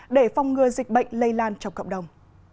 để phòng ngừa dịch bệnh lây lan trong cộng đồng